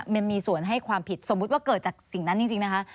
มันมีส่วนให้ความผิดสมมุติว่าเกิดจากสิ่งนั้นจริงนะคะ